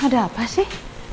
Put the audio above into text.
ada apa sih